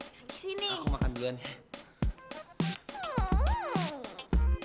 aku makan duluan ya